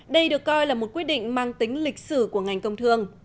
đây được coi là một quyết định mang tính lịch sử của ngành công thương